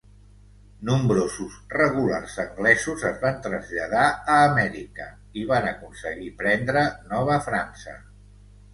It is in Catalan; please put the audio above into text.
Nombrosos regulars anglesos es van traslladar a Amèrica i van aconseguir prendre Nova França.